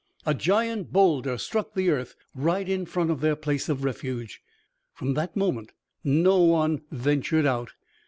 A giant boulder struck the earth right in front of their place of refuge. From that moment on no one ventured out.